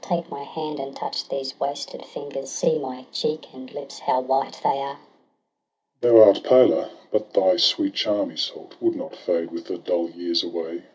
Take my hand, and touch these wasted fingers — See my cheek and lips, how white they are ! Jristraj7i. Thou art paler — but thy sweet charm, Iseult! Would not fade with the dull years away.